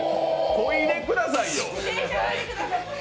こいでくださいよ。